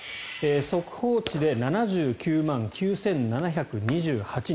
速報値で７９万９７２８人。